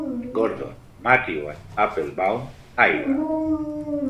Gordon, Matthew and Applebaum, Ayla.